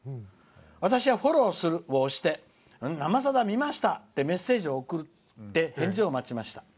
私は「フォローする」を押して「生さだ」見ましたってメッセージを送って返事を待ちました。